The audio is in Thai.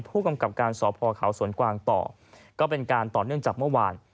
ผู้กำกับการสอบพอเขาสวนกวางต่อก็เป็นการต่อเนื่องจากเมื่อวาน